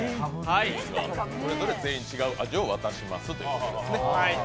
それぞれ全員違う味を渡しますということですね。